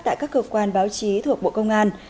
tại các cơ quan báo chí thuộc bộ công an